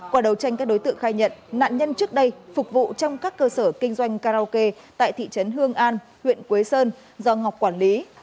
qua đầu tranh các đối tượng khai nhận nạn nhân trước đây phục vụ trong các cơ sở kinh doanh karaoke tại thị trấn hương an huyện quế sơn do ngọc quản lý